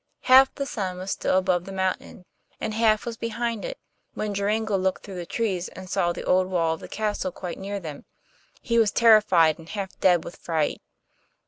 Half the sun was still above the mountain and half was behind it when Joringel looked through the trees and saw the old wall of the castle quite near them. He was terrified and half dead with fright.